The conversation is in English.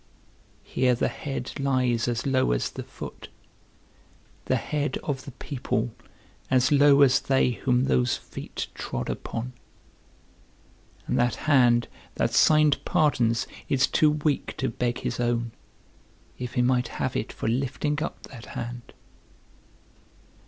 Here the head lies as low as the foot; the head of the people as low as they whom those feet trod upon; and that hand that signed pardons is too weak to beg his own, if he might have it for lifting up that hand.